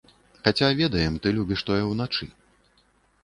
Хаця ведаем, ты любіш тое ўначы.